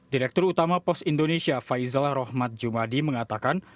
direktur utama pos indonesia faizal rohmat jumadi mengatakan